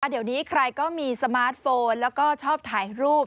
เดี๋ยวนี้ใครก็มีสมาร์ทโฟนแล้วก็ชอบถ่ายรูป